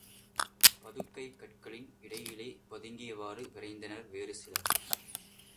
பதுக்கைக் கற்களின் இடையிலே பதுங்கியவாறு விரைந்தனர் வேறு சிலர்.